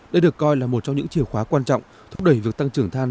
đây được coi là một trong những chìa khóa quan trọng thúc đẩy việc tăng trưởng than